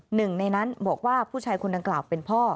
หนึ่งในนั้นบอกว่าผู้ชายคนดังกล่าวเป็นพ่อ